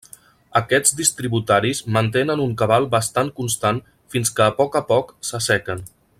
Aquests distributaris mantenen un cabal bastant constant fins que a poc a poc s'assequen.